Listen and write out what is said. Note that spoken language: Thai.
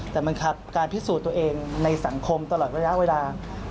แต่บังคับการพิสูจน์ตัวเองในสังคมตลอดระยะเวลา